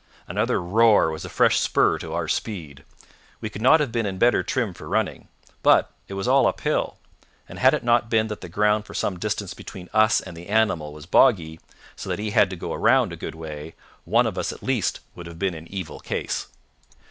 Another roar was a fresh spur to our speed. We could not have been in better trim for running. But it was all uphill, and had it not been that the ground for some distance between us and the animal was boggy, so that he had to go round a good way, one of us at least would have been in evil case.